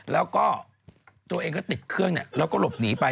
แล้วก็ตัวเองก็ติดเครื่องแล้วก็หลบหนีไป